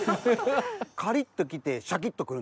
カリっと来てシャキっと来るの。